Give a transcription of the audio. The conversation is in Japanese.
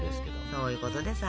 そういうことでさ。